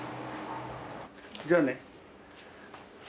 じゃあね。